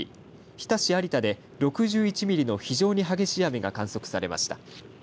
日田市有田で６１ミリの非常に激しい雨が観測されました。